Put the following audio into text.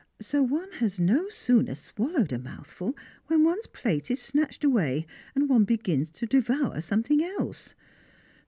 So one has no sooner swallowed a mouthful, when one's plate is snatched away, and one begins to devour something else.